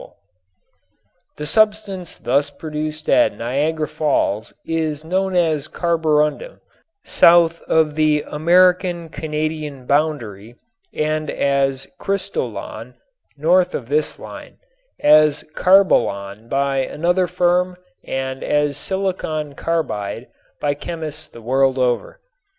From "Chemistry in America," by Edgar Fahs Smith] The substance thus produced at Niagara Falls is known as "carborundum" south of the American Canadian boundary and as "crystolon" north of this line, as "carbolon" by another firm, and as "silicon carbide" by chemists the world over.